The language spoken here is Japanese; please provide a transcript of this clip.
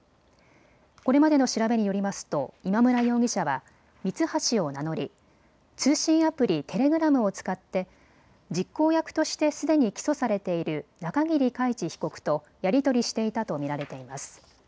これまでの調べによりますと今村容疑者はミツハシを名乗り通信アプリ、テレグラムを使って実行役としてすでに起訴されている中桐海知被告とやり取りしていたと見られています。